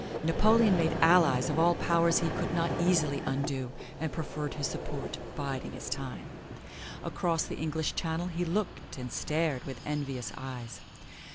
Napoleon made allies of all powers he could not easily undo, and proffered his support biding his time. Across the English Channel he looked and stared with envious eyes.